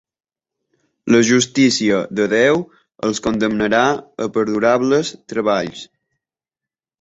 La justícia de Déu els condemnarà a perdurables treballs.